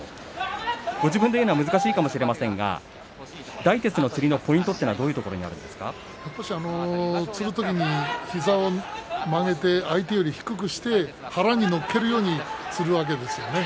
ご自分で言うのは難しいかもしれませんが、大徹のつりのポイントはどういうところになり落ちるときに膝を曲げて相手より低くして腹に乗せるようにするわけですよね。